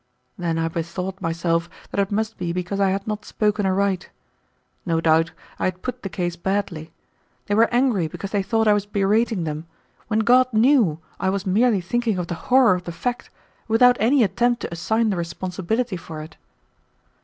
Then I bethought myself that it must be because I had not spoken aright. No doubt I had put the case badly. They were angry because they thought I was berating them, when God knew I was merely thinking of the horror of the fact without any attempt to assign the responsibility for it.